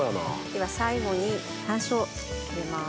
では最後に山椒を入れます。